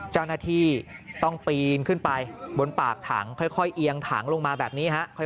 เจ้าหน้าที่ต้องปีนขึ้นไปบนปากถังค่อยเอียงถังลงมาแบบนี้ฮะ